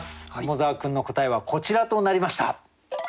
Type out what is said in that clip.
桃沢君の答えはこちらとなりました。